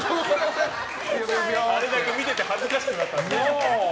あれだけ見てて恥ずかしくなった。